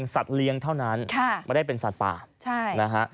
ไม่ได้เป็นศาสตร์ป่านะครับ